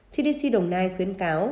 cdc đồng nai khuyến cáo